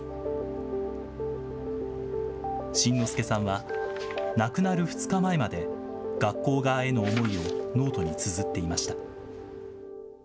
辰乃輔さんは、亡くなる２日前まで、学校側への思いをノートにつづっていました。